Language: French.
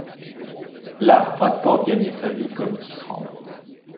Là, Bradford gagnait sa vie comme tisserand.